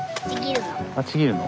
あちぎるの？